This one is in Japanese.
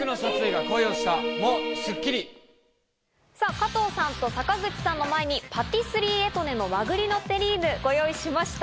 加藤さんと坂口さんの前にパティスリーエトネの和栗のテリーヌをご用意しました。